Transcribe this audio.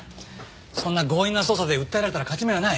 そんな強引な捜査で訴えられたら勝ち目はない。